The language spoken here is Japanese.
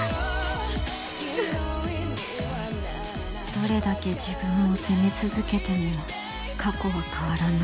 どれだけ自分を責め続けても過去は変わらない。